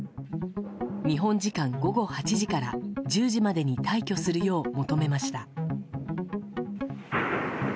日本時間午後８時から１０時までに退去するよう求めました。